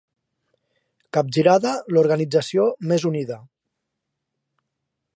Capgirada, l'organització més unida.